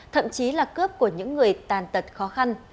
thậm chí là cướp của những người tàn tật khó khăn